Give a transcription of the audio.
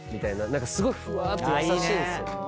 何かすごいふわーっと優しいんすよ。